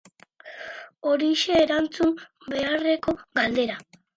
Horixe erantzun beharreko galdera.